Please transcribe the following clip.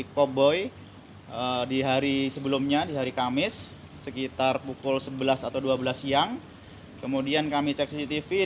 koboi di hari sebelumnya di hari kamis sekitar pukul sebelas atau dua belas siang kemudian kami cek cctv